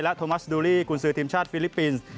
โทมัสดูลีกุญสือทีมชาติฟิลิปปินส์